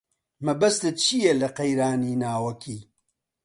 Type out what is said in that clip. مەبەستت چییە لە قەیرانی ناوەکی؟